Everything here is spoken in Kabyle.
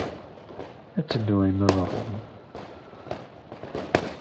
Ad teddu arma d Roma.